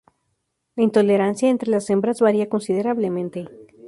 La intolerancia entre las hembras varía considerablemente.